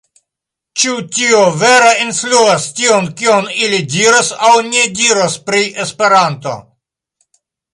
Ĉu tio vere influos tion, kion ili diros aŭ ne diros pri Esperanto?